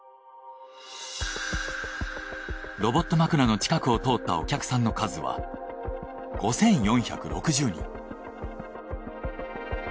ロボット枕の近くを通ったお客さんの数は５，４６０人。